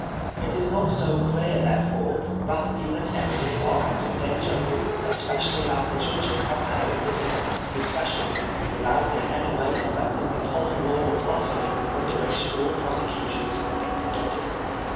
It is not so clear, therefore, that Unitarians are out of danger ; especially as the judges have held that this^ Act was special, without in any way affecting the common law of Blasphemy, under which all prosecu* tions have been conducted.